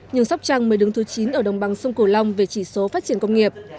nhưng sóc trăng mới đứng thứ chín ở đồng bằng sông cửu long về chỉ số phát triển công nghiệp